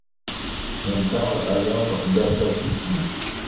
On parle alors d'aplatissement.